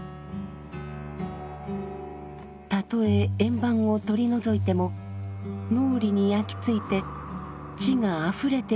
たとえ円盤を取り除いても脳裏に焼き付いて地があふれているように感じるといいます。